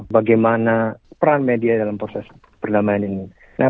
bagaimana peran media dalam proses perdamaian ini